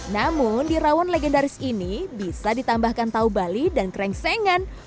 namun di rawon legendaris ini bisa ditambahkan tahu bali dan krengsengan